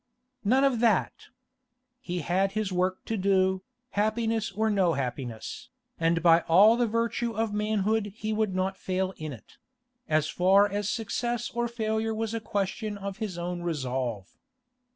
None of that! He had his work to do, happiness or no happiness, and by all the virtue of manhood he would not fail in it—as far as success or failure was a question of his own resolve.